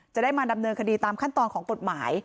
จะได้มาดำเนินคดีตามขั้นตอนของกฎหมาย